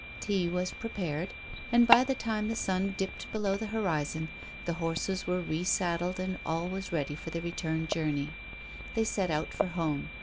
Tea was prepared, and by the time the sun dipped below the horizon the horses were re saddled and all was ready for the return journey. They set out for home.